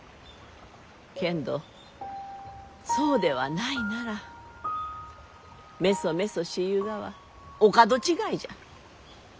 けんどそうではないならめそめそしゆうがはお門違いじゃ。